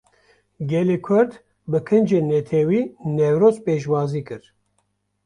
Gelê Kurd, bi kincên Netewî Newroz pêşwazî kir